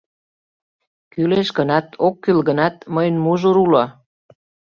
— Кӱлеш гынат, ок кӱл гынат — мыйын мужыр уло!